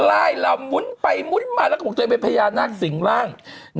ลายเราหมุนไปหมุนมาแล้วก็ไปพยาน่าสิงหล้าง